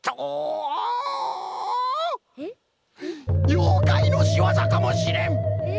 ようかいのしわざかもしれん！え！？